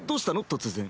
突然。